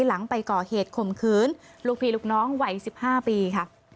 หลังไปก่อเหตุข่มขืนลูกพี่ลูกน้องวัย๑๕ปีค่ะ